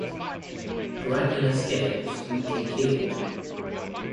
Granular scales weakly keeled.